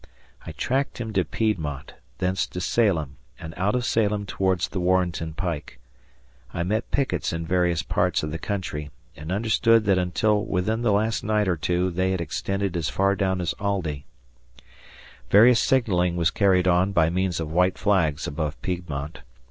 I tracked him to Piedmont, thence to Salem, and out of Salem towards the Warrenton Pike. I met pickets in various parts of the country, and understood that until within the last night or two they had extended as far down as Aldie. Various signalling was carried on by means of white flags above Piedmont.